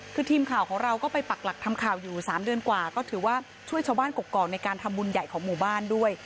คือทีมข่าวของเราก็ไปปักหลักทำข่าวอยู่๓เดือนกว่าก็ถือว่าช่วยชาวบ้านกรกในการทำบุญใหญ่ของหมู่บ้านด้วย